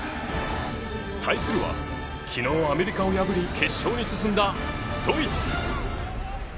対するは昨日アメリカを破り決勝に進んだドイツ。